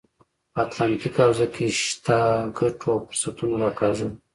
په اتلانتیک حوزه کې شته ګټو او فرصتونو راکاږل.